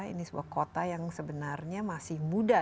ini sebuah kota yang sebenarnya masih muda